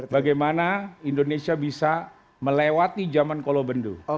bagaimana indonesia bisa melewati zaman kolobendu